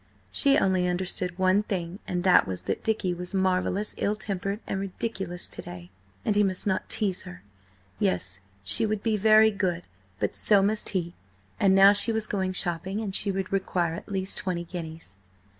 She only understood one thing, and that was that Dicky was marvellous ill tempered and ridiculous to day. And he must not tease her! Yes, she would be very good, but so must he! And now she was going shopping, and she would require at least twenty guineas.